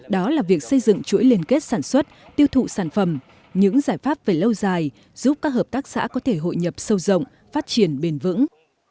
đó là việc xây dựng chuỗi liên kết sản xuất tiêu thụ sản phẩm những giải pháp về lâu dài giúp các hợp tác xã có thể hội nhập sâu rộng phát triển bền vững